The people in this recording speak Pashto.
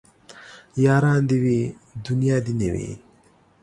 ياران دي وي دونيا دي نه وي